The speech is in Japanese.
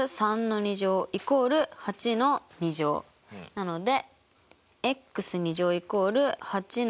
なので。